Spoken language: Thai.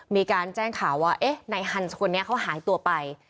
มีการแจ้งข่าวว่าเอ๊ะนายฮันส์คนนี้เขาหายตัวไป